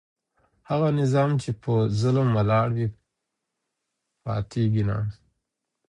هغه نظام چي په ظلم ولاړ وي پاتیږي نه.